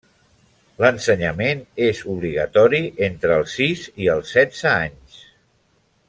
L'ensenyament és obligatori entre els sis i els setze anys.